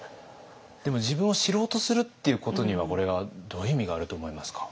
でも自分を知ろうとするっていうことにはこれはどういう意味があると思いますか？